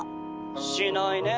「しないね。